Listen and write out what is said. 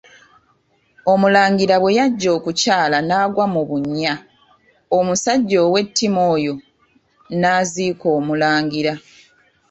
Omulangira bwe yajja okukyala n'agwa mu bunnya, omusajja ow'ettima oyo n'aziika Omulangira.